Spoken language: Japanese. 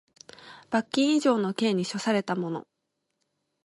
罰金以上の刑に処せられた者